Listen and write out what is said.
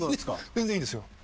全然いいんですよ。